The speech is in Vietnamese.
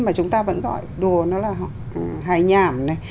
mà chúng ta vẫn gọi đùa nó là họ hài nhảm này